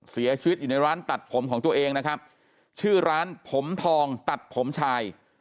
เสียชีวิตอยู่ในร้านตัดผมของตัวเองนะครับชื่อร้านผมทองตัดผมชาย